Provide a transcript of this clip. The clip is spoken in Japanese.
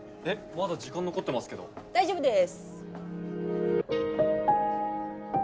まだ時間残ってますけど大丈夫です